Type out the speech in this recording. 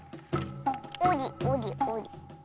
おりおりおり。